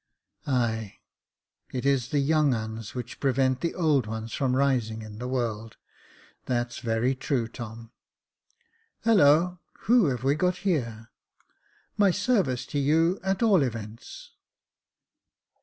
" Ay, it is the young uns which prevent the old ones from rising in the world — that's very true, Tom. Holloa, who have we got here ? My service to you, at all events."